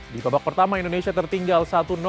di babak pertama indonesia tertinggal satu